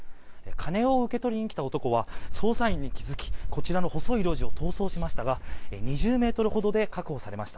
金を受け取りに来た男は捜査員に気づきこちらの細い路地を逃走しましたが２０ｍほどで確保されました。